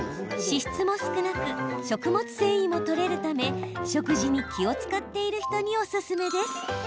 脂質も少なく食物繊維もとれるため食事に気を遣っている人におすすめです。